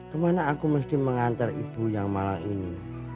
kemana aku mesti mengantar ibu yang malang ini